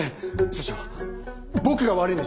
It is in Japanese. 社長僕が悪いんです。